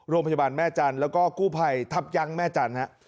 โรงพยาบาลแม่จันทร์แล้วก็กู้ภัยทัพยั้งแม่จันทร์ฮะ